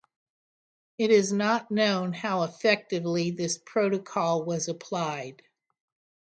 It is not known how effectively this protocol was applied.